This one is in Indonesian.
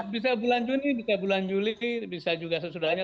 bisa bulan juni bisa bulan juli bisa juga sesudahnya